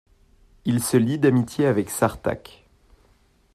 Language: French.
Il se lie d'amitié avec Sartaq.